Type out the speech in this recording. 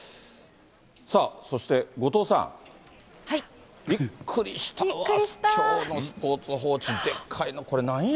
そして後藤さん、びっくりしたわ、きょうのスポーツ報知、でっかいのこれ、なんや？